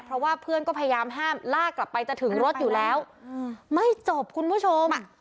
เพราะว่าเพื่อนก็พยายามห้ามลากกลับไปจะถึงรถอยู่แล้วไม่จบคุณผู้ชมอ่ะ